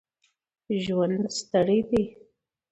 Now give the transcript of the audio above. ژوند ستړی دی.